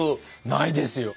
ないですよ。